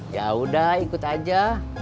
yaudah ikut aja